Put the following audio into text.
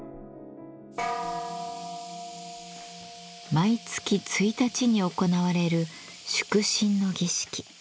毎月１日に行われる祝聖の儀式。